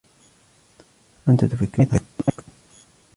أنتَ تُفكِّرُ كثيراً أيضاً